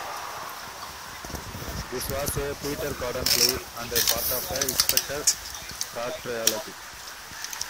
This was a Peter Gordon play, and part of the 'Inspector Pratt' trilogy.